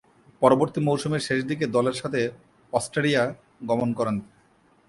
পরবর্তী মৌসুমের শেষদিকে দলের সাথে অস্ট্রেলিয়া গমন করেন।